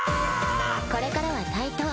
これからは対等。